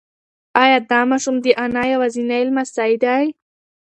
ایا دا ماشوم د انا یوازینی لمسی دی؟